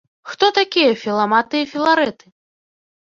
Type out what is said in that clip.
Хто такія філаматы і філарэты?